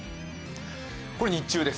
これ日中です。